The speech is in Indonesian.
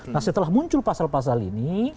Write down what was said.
nah setelah muncul pasal pasal ini